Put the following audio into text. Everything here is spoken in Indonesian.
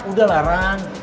udah lah ran